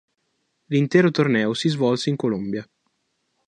L'intero torneo si svolse in Colombia.